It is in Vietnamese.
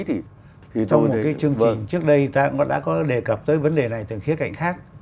trong một cái chương trình trước đây ta cũng đã có đề cập tới vấn đề này từ khía cạnh khác